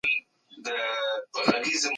هدف د خطر کمول وو.